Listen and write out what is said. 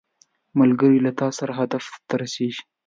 ملګری له تا سره هدف ته رسیږي